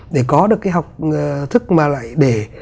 để có được cái học thức mà lại để